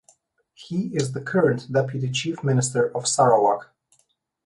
He is the current Deputy Chief Minister of Sarawak.